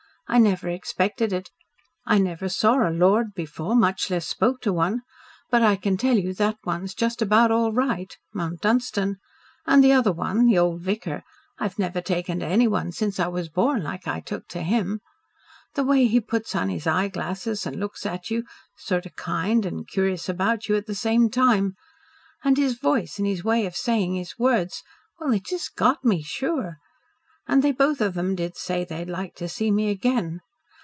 I never expected it. I never saw a lord before, much less spoke to one, but I can tell you that one's just about all right Mount Dunstan. And the other one the old vicar I've never taken to anyone since I was born like I took to him. The way he puts on his eye glasses and looks at you, sorter kind and curious about you at the same time! And his voice and his way of saying his words well, they just GOT me sure. And they both of 'em did say they'd like to see me again.